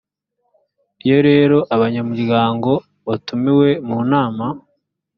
iyo rero abanyamuryango batumiwe mu nama